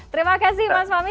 terima kasih mas fahmi